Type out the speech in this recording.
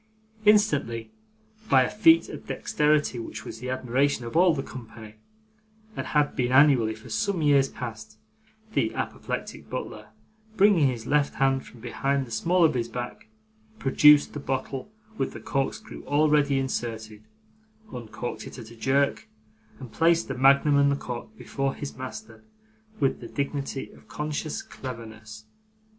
Instantly, by a feat of dexterity, which was the admiration of all the company, and had been, annually, for some years past, the apoplectic butler, bringing his left hand from behind the small of his back, produced the bottle with the corkscrew already inserted; uncorked it at a jerk; and placed the magnum and the cork before his master with the dignity of conscious cleverness.